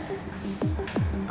itu apa ya pak